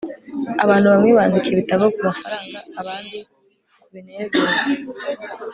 abantu bamwe bandika ibitabo kumafaranga, abandi kubinezeza